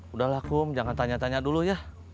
udah lah kum jangan tanya tanya dulu ya